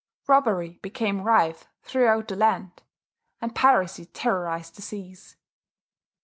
Robbery became rife throughout the land; and piracy terrorized the seas.